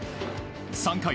３回。